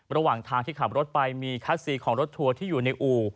ระหว่างทางที่ขับรถไปมีคัสซีของรถทัวร์ที่อยู่ในอู่